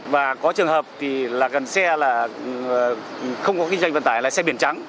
và có trường hợp thì là gần xe là không có kinh doanh vận tải là xe biển trắng